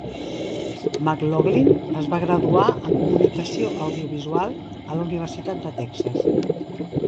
McLaughlin es va graduar en comunicació audiovisual a la Universitat de Texas.